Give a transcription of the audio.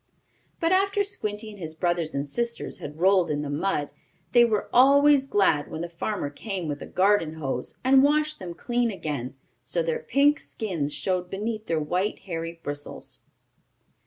But after Squinty and his brothers and sisters had rolled in the mud, they were always glad when the farmer came with the garden hose and washed them clean again, so their pink skins showed beneath their white, hairy bristles.